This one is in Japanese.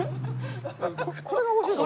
これが面白いかも。